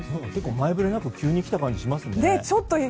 前触れなく急にきた感じしますね。